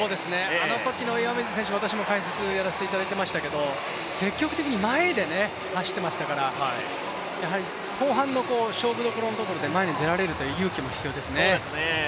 あのときの岩水選手、私も解説やらせていただいていましたけど積極的に前で走っていましたから、やはり後半の勝負どころのところで前に出られるという勇気も必要ですね。